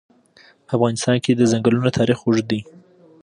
په افغانستان کې د ځنګلونه تاریخ اوږد دی.